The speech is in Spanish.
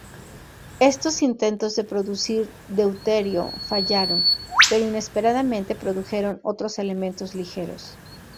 Estos intentos de producir deuterio fallaron, pero inesperadamente produjeron otros elementos ligeros.